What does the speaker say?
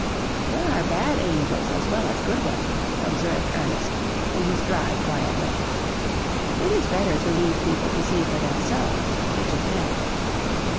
"There are bad angels as well as good ones," observed Ernest, in his dry, quiet way; "it is better to leave people to see for themselves which is meant."